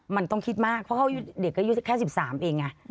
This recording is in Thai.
มันต้องคิดมากเพราะเด็กก็แค่๑๓เอง